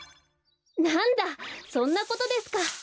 なんだそんなことですか。